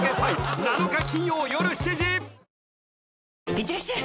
いってらっしゃい！